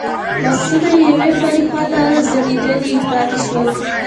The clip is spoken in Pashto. لاسونه يې يوې بلې خواته ځړېدلي پاتې شول.